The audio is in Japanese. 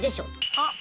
あっ。